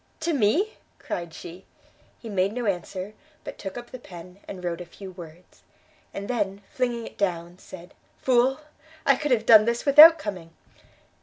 "To me?" cried she. He made no answer, but took up the pen, and wrote a few words, and then, flinging it down, said, "Fool! I could have done this without coming!"